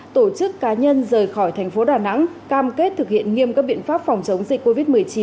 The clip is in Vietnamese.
tổ chức cá nhân rời khỏi thành phố đà nẵng cam kết thực hiện nghiêm các biện pháp phòng chống dịch covid một mươi chín